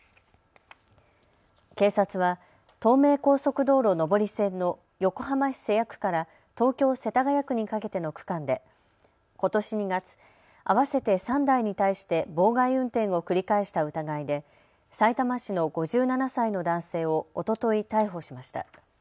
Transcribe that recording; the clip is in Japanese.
警察は東名高速道路上り線の横浜市瀬谷区から東京世田谷区にかけての区間で、ことし２月、合わせて３台に対して妨害運転を繰り返した疑いでさいたま市の５７歳の男性をおととい逮捕しました。